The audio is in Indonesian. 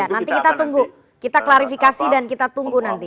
nanti kita tunggu kita klarifikasi dan kita tunggu nanti